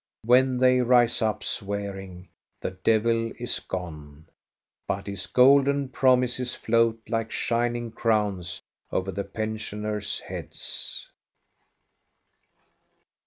When they rise up, swearing, the devil is gone; but his golden promises float like shining crowns over the pensioners* heads.